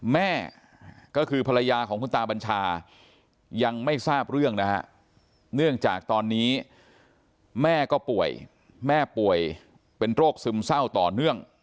แม่ก็คือภรรยาของคุณตาบัญชายังไม่ทราบเรื่องนะฮะเนื่องจากตอนนี้แม่ก็ป่วยแม่ป่วยเป็นโรคซึมเศร้าต่อเนื่อง